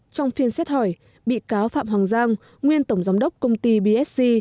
trong phiên xét hỏi bị cáo phạm hoàng giang nguyên tổng giám đốc công ty bsc